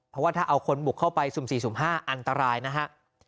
เพราะว่าถ้าเอาคนบุกเข้าไปสุ่ม๔สุ่ม๕อันตรายนะฮะ